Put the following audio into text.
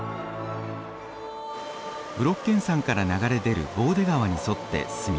ブロッケン山から流れ出るボーデ川に沿って進みます。